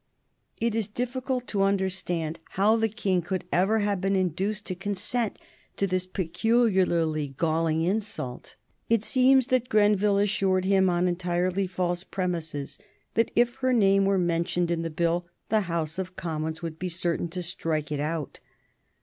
It is difficult to understand how the King could ever have been induced to consent to this peculiarly galling insult. It seems that Grenville assured him, on entirely false premises, that if her name were mentioned in the Bill the House of Commons would be certain to strike it out.